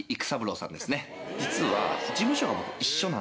実は。